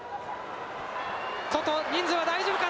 外、人数は大丈夫か。